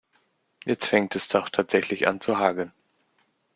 Jetzt fängt es doch tatsächlich an zu hageln.